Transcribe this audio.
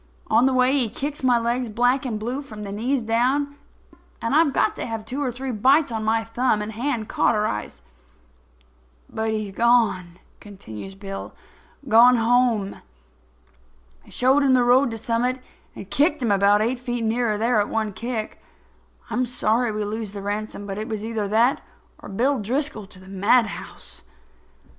On the way he kicks my legs black and blue from the knees down; and I've got to have two or three bites on my thumb and hand cauterized. "But he's gone"—continues Bill—"gone home. I showed him the road to Summit and kicked him about eight feet nearer there at one kick. I'm sorry we lose the ransom; but it was either that or Bill Driscoll to the madhouse."